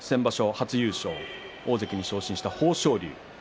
初優勝大関に昇進した豊昇龍です。